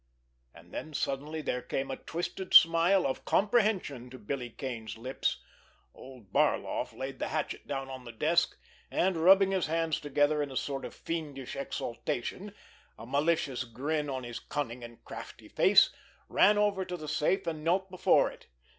And then suddenly there came a twisted smile of comprehension to Billy Kane's lips. Old Barloff laid the hatchet down on the desk, and, rubbing his hands together in a sort of fiendish exaltation, a malicious grin on his cunning and crafty face, ran over to the safe and knelt before it.